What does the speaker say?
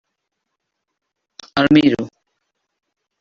El miro.